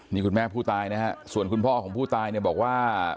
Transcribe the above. นี่คุณแม่ผู้ตายนะฮะส่วนคุณพ่อของผู้ตายเนี่ยบอกว่า